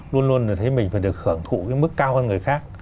luôn luôn thấy mình phải được khưởng thụ mức cao hơn người khác